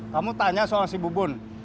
kamu tanya soal si bubun